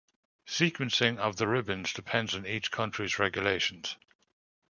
Sequencing of the ribbons depends on each country's regulations.